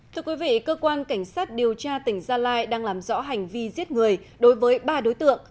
thưa quý vị cơ quan cảnh sát điều tra tỉnh gia lai đang làm rõ hành vi giết người đối với ba đối tượng